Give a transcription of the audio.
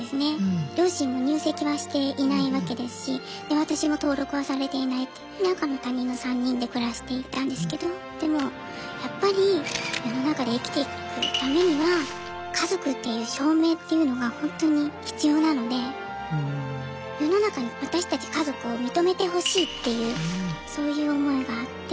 両親も入籍はしていないわけですしで私も登録はされていないって赤の他人の３人で暮らしていたんですけどでもやっぱり世の中で生きていくためには家族っていう証明っていうのがほんとに必要なので世の中に私たち家族を認めてほしいっていうそういう思いがあって。